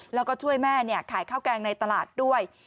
แล้วก็ช่วยแม่ขายข้าวแกงในตลาดด้วย